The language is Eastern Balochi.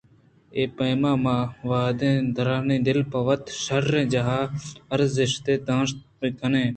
اے پیم ءَ ما واگد دارانی دل ءَ پہ وت ءَ شرّیں جاہ ءُارزشتے داشت بہ کنیں